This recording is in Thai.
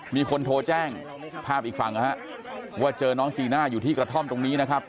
มีคนโทรแจ้งภาพอีกฝั่งนะฮะว่าเจอน้องจีน่าอยู่ที่กระท่อมตรงนี้นะครับ